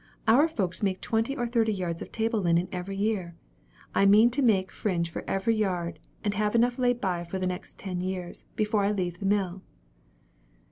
Our folks make twenty or thirty yards of table linen every year. I mean to make fringe for every yard; and have enough laid by for the next ten years, before I leave the mill."